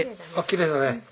きれいだね。